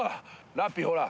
ラッピーほらっ